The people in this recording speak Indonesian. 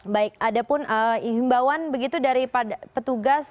baik ada pun himbauan begitu daripada petugas